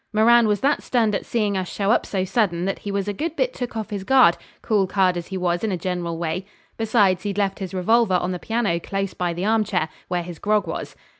Moran was that stunned at seeing us show up so sudden that he was a good bit took off his guard, cool card as he was in a general way. Besides, he'd left his revolver on the piano close by the arm chair, where his grog was.